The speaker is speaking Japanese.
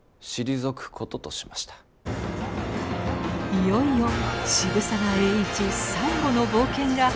いよいよ渋沢栄一最後の冒険が始まります。